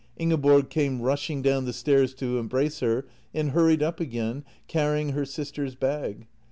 Ingeborg came rushing down the stairs to embrace her, and hurried up again, carrying her sister's bag.